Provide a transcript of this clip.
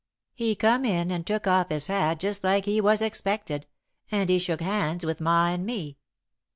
He come in and took off his hat just like he was expected, and he shook hands with Ma and me.